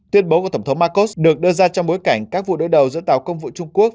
tuyên bố của tổng thống marcos được đưa ra trong bối cảnh các vụ đối đầu giữa tàu công vụ trung quốc